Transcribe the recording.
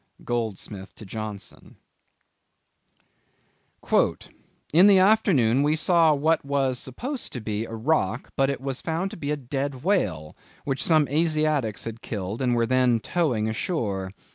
—Goldsmith to Johnson. "In the afternoon we saw what was supposed to be a rock, but it was found to be a dead whale, which some Asiatics had killed, and were then towing ashore.